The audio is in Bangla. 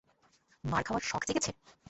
মার খাওয়ার শখ জেগেছে?